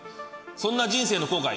そんな人生の後悔